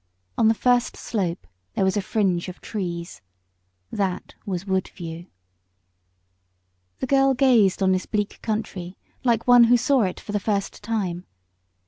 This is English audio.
On the first slope there was a fringe of trees. That was Woodview. The girl gazed on this bleak country like one who saw it for the first time.